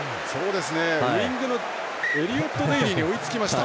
ウイングのエリオット・デイリーに追いつきました。